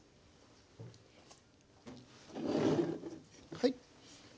はい。